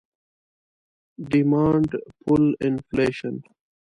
Demand pull Inflation